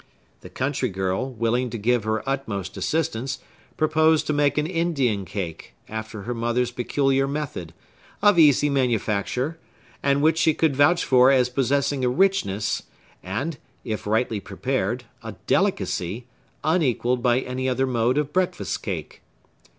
The country girl, willing to give her utmost assistance, proposed to make an Indian cake, after her mother's peculiar method, of easy manufacture, and which she could vouch for as possessing a richness, and, if rightly prepared, a delicacy, unequalled by any other mode of breakfast cake.